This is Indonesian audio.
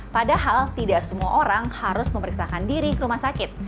padahal tidak semua orang harus memeriksakan diri ke rumah sakit